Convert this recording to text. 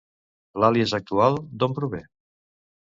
L'àlies actual, d'on prové?